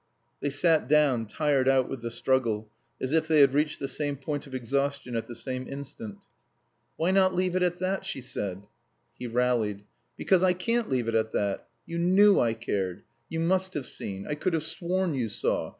They sat down, tired out with the struggle, as if they had reached the same point of exhaustion at the same instant. "Why not leave it at that?" she said. He rallied. "Because I can't leave it at that. You knew I cared. You must have seen. I could have sworn you saw.